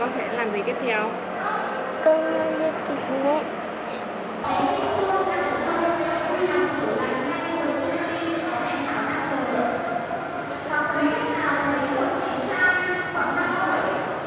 không làm gì tiếp theo mẹ